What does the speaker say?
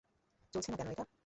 চলছে না কেন এটা?